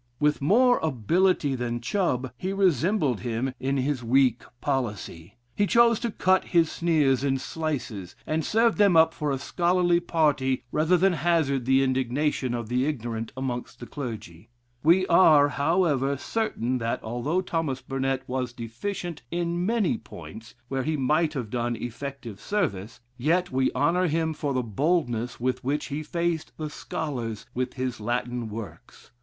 With more ability than Chubb, he resembled him in his weak policy; he chose to cut his sneers in slices, and served them up for a scholarly party rather than hazard the indignation of the ignorant amongst the clergy. We are, however, certain that although Thomas Burnet was deficient in many points where he might have done effective service, yet we honor him for the boldness with which he faced the scholars with his Latin works.